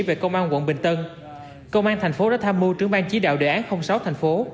về công an quận bình tân công an tp hcm đã tham mưu trưởng ban chỉ đạo đề án sáu thành phố